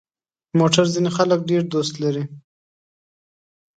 موټر ځینې خلک ډېر دوست لري.